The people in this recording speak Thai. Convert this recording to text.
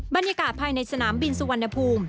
บรรยากาศภายในสนามบินสุวรรณภูมิ